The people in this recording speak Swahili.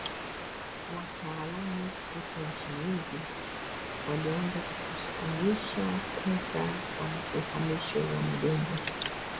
Wataalamu kutoka nchi nyingi walianza kukusanya pesa kwa uhamisho wa majengo.